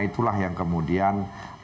itulah yang kemudian